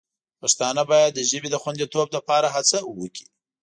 پښتانه باید د ژبې د خوندیتوب لپاره هڅه وکړي.